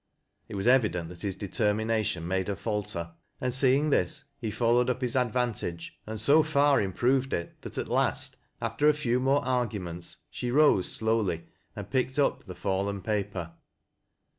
It was evident that his determination made her falter, and seeing this he followed up his advantage and so fai improved it that at last, after a few more arguments, slie rose slowly and picked up the fallen paper.